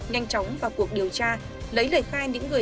nhanh chóng vào cuộc điều tra lấy lời khai